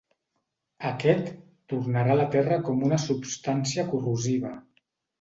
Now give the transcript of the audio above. Aquest, tornarà a la terra com una substància corrosiva.